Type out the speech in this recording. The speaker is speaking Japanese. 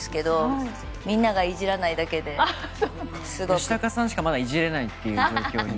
吉高さんしかまだいじれないという状況に。